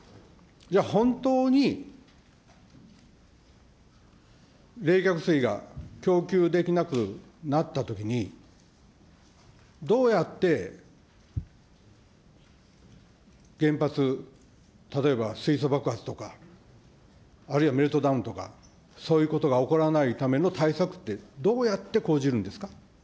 じゃあ本当に冷却水が供給できなくなったときに、どうやって原発、例えば水素爆発とか、あるいはメルトダウンとか、そういうことが起こらないための対策って、どうやって講じるんですか。